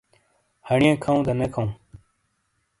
ہانیئے کَھوں دا نے کھَوں؟